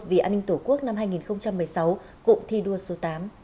vì an ninh tổ quốc năm hai nghìn một mươi sáu cụm thi đua số tám